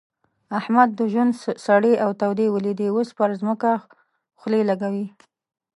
احمد د ژوند سړې او تودې وليدې؛ اوس پر ځمکه خولې لګوي.